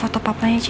ya tadi aku